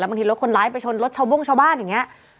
บางทีรถคนร้ายไปชนรถชาวโบ้งชาวบ้านอย่างนี้